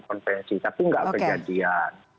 konvensi tapi nggak kejadian